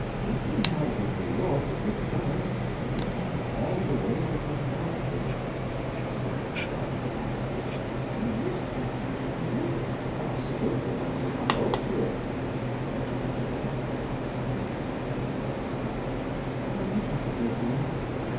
If you had it in New York in midsummer, you could buy all the whales in the market with it.' She looked at me doubtfully, and said: 'Are you speaking true?' 'Absolutely. I take my oath to it.' This made her thoughtful. Presently she said, with a little sigh: 'I wish I could live there.'